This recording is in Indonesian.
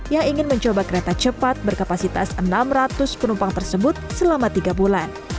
yang ingin mencoba kereta cepat berkapasitas enam ratus penumpang tersebut selama tiga bulan